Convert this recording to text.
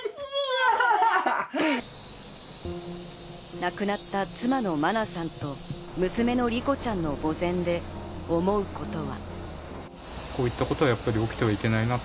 亡くなった妻の真菜さんと、娘の莉子ちゃんの墓前で思うことは。